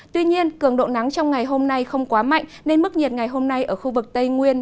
tuy nhiên cường độ nắng trong ngày hôm nay không quá mạnh nên mức nhiệt ngày hôm nay ở khu vực tây nguyên